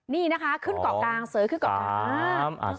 นี่นะคะขึ้นเกาะกลางเสยขึ้นเกาะกลาง